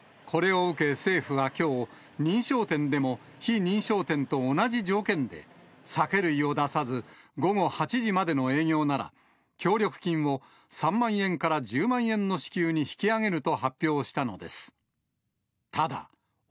これを受け、政府はきょう、認証店でも非認証店と同じ条件で、酒類を出さず、午後８時までの営業なら、協力金を３万円から１０万円の支給に引き上げると発表したのです。